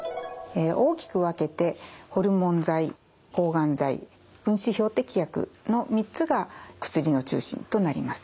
大きく分けてホルモン剤抗がん剤分子標的薬の３つが薬の中心となります。